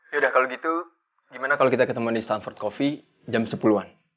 yaudah kalo gitu gimana kalo kita ketemuan di stanford coffee jam sepuluh an